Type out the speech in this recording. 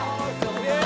すげえ！